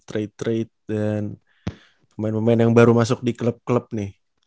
trade trade dan pemain pemain yang baru masuk di klub klub nih